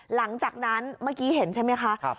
หลังจากนั้นเมื่อกี้เห็นใช่ไหมคะ